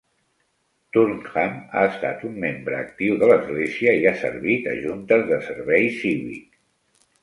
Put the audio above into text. Turnham ha estat un membre actiu de l'església i ha servit a juntes de servei cívic.